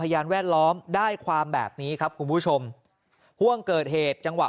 พยานแวดล้อมได้ความแบบนี้ครับคุณผู้ชมห่วงเกิดเหตุจังหวะ